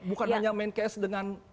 bukan hanya menkes dengan